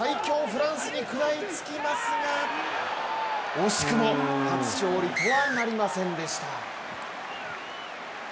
フランスに食らいつきますが、惜しくも初勝利とはなりませんでした。